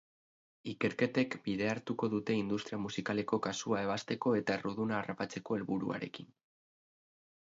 Ikerketek bidea hartuko dute industria musikaleko kasua ebazteko eta erruduna harrapatzeko helburuarekin.